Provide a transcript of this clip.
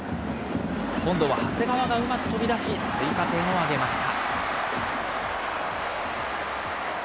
今度は長谷川がうまく飛び出し、追加点を挙げました。